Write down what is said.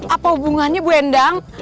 apa hubungannya bu endang